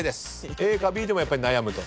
ＡかＢでもやっぱり悩むと。